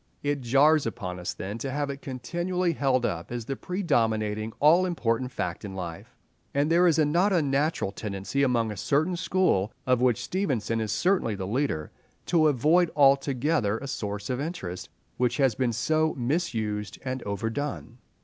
It jars upon us then to have it continually held up as the predominating, all important fact in life; and there is a not unnatural tendency among a certain school, of which Stevenson is certainly the leader, to avoid altogether a source of interest which has been so misused and overdone.